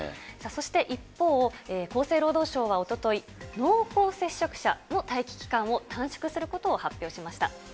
そして一方、厚生労働省はおととい、濃厚接触者の待機期間を短縮することを発表しました。